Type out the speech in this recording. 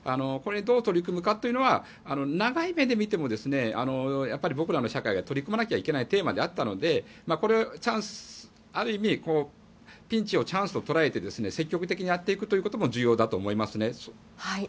これにどう取り組むかというのは長い目で見てもやっぱり僕らの社会が取り組まなきゃいけないテーマであったのでこれをある意味ピンチをチャンスと捉えて積極的にやっていくことも重要だと思いますね。